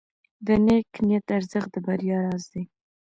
د نیک نیت ارزښت د بریا راز دی.